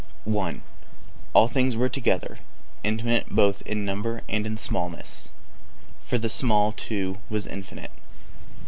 1. All things were together, infinite both in number and in smallness ; for the small also was infimite.